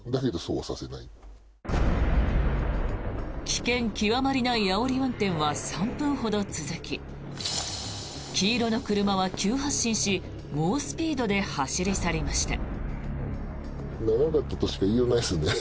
危険極まりないあおり運転は３分ほど続き黄色の車は急発進し猛スピードで走り去りました。